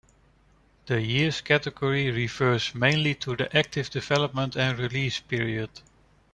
The years category refers mainly to the active development and release period.